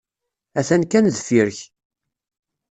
Atan kan deffir-k.